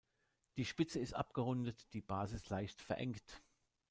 Die Spitze ist abgerundet, die Basis leicht verengt.